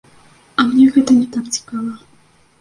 А мне гэта не так цікава.